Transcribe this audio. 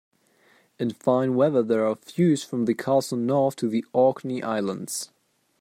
In fine weather there are views from the castle north to the Orkney Islands.